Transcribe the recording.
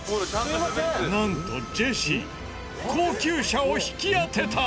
なんとジェシー高級車を引き当てた！